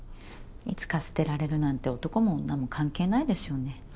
いつか捨てられるなんて男も女も関係ないですよね。